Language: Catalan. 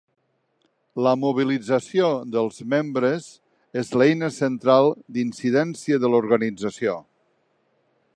La mobilització dels membres és l'eina central d'incidència de l'organització.